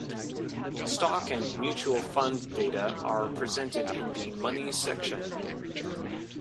Stock and mutual fund data are presented in the Money section.